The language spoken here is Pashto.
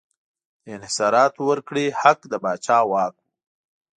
د انحصاراتو ورکړې حق د پاچا واک و.